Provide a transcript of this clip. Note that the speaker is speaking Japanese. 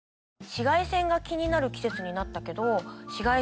紫外線が気になる季節になったけど。